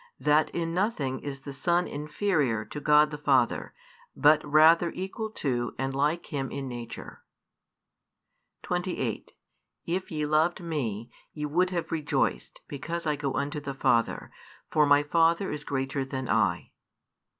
That in nothing is the Son inferior to God the Father, but rather equal to and like Him in nature. 28 If ye loved Me, ye would have rejoiced, because I go unto the Father; for My Father is greater than I.